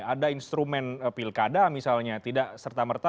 ada instrumen pilkada misalnya tidak serta merta